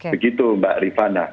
begitu mbak rifana